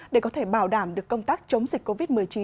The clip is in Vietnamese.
để có thể bảo đảm được công tác chống dịch covid một mươi chín